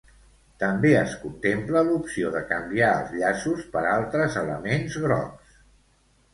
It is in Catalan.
També es contempla l'opció de canviar els llaços per altres elements grocs.